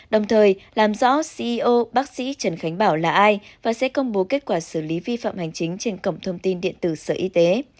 đồng thời làm rõ ceo bác sĩ trần khánh bảo là ai và sẽ công bố kết quả xử lý vi phạm hành chính trên cổng thông tin điện tử sở y tế